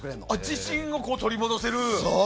自信を取り戻せる。